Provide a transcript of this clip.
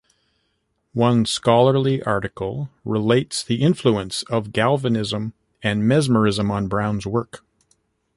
One scholarly article relates the influence of Galvanism and Mesmerism on Brown's work.